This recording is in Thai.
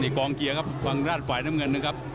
นี่กรองเกียวครับกลางด้านฝ่ายน้ำเงินเลยครับ